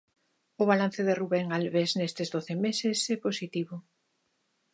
O balance de Rubén Albés nestes doce meses é positivo.